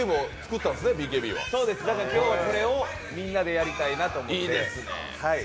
今日はそれをみんなでやりたいなと思って。